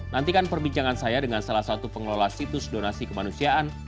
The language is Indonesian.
nantikan perbincangan saya dengan salah satu pengelola situs donasi kemanusiaan